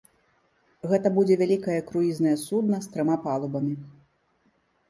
Гэта будзе вялікае круізнае судна з трыма палубамі.